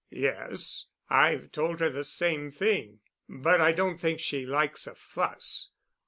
"Yes. I've told her the same thing. But I don't think she likes a fuss.